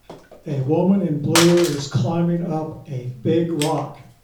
A woman in blue is climbing up a big rock